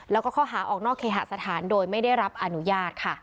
แล้วก็ข้อหาออกนอกเคหสถานโดยไม่ได้รับอนุญาตค่ะ